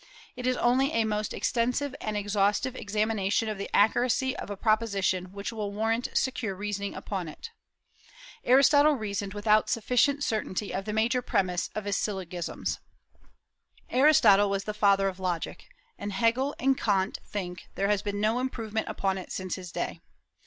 It is only a most extensive and exhaustive examination of the accuracy of a proposition which will warrant secure reasoning upon it. Aristotle reasoned without sufficient certainty of the major premise of his syllogisms. Aristotle was the father of logic, and Hegel and Kant think there has been no improvement upon it since his day.